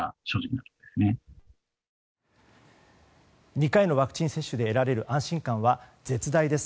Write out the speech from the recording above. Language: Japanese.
２回のワクチン接種で得られる安心感は絶大です。